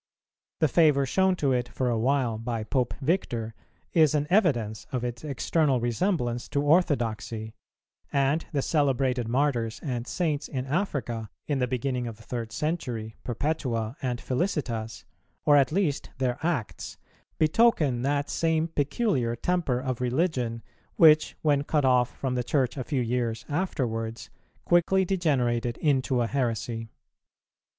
The favour shown to it for a while by Pope Victor is an evidence of its external resemblance to orthodoxy; and the celebrated Martyrs and Saints in Africa, in the beginning of the third century, Perpetua and Felicitas, or at least their Acts, betoken that same peculiar temper of religion, which, when cut off from the Church a few years afterwards, quickly degenerated into a heresy.